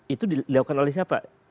itu dilakukan oleh siapa